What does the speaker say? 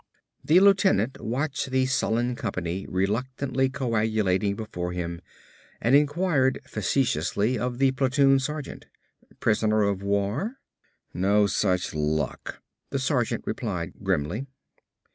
The lieutenant watched the sullen company reluctantly coagulating before him and inquired facetiously of the platoon sergeant, "Prisoners of war?" "No such luck," the sergeant replied grimly.